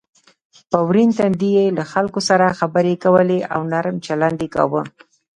په ورین تندي یې له خلکو سره خبرې کولې او نرم چلند یې کاوه.